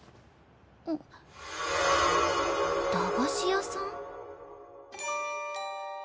ん駄菓子屋さん？